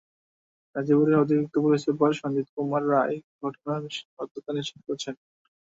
গাজীপুরের অতিরিক্ত police super Sanjit Kumar Roy ঘটনার সত্যতা নিশ্চিত করেছেন।